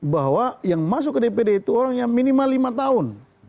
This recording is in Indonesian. bahwa yang masuk ke dpd itu orang yang minimal lima tahun